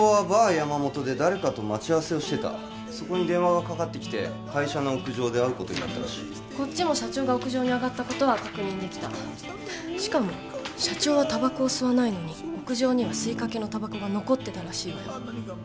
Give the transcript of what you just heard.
山本で誰かと待ち合わせをしてたそこに電話がかかってきて会社の屋上で会うことになったこっちも社長が屋上に上がったことは確認できたしかも社長はタバコを吸わないのに屋上には吸いかけのタバコが残ってたらしいわよ